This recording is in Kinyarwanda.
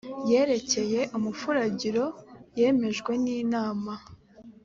yerekeye umufuragiro yemejwe n inama